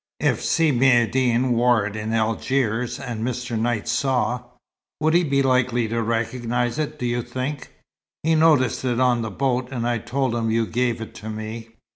If Si Maïeddine wore it in Algiers, and Mr. Knight saw " "Would he be likely to recognize it, do you think?" "He noticed it on the boat, and I told him you gave it to me."